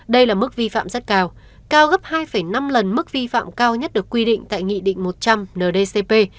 đây là mức vi phạm rất cao cao gấp hai năm lần mức vi phạm cao nhất được quy định tại nghị định một trăm linh ndcp